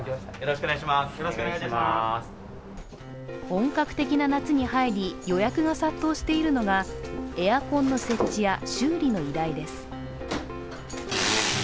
本格的な夏に入り、予約が殺到しているのがエアコンの設置や修理の依頼です。